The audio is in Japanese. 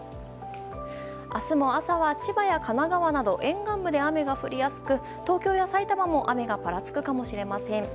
明日も朝は千葉や神奈川など沿岸部で雨が降りやすく東京や埼玉も雨がぱらつくかもしれません。